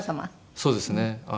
そうですね。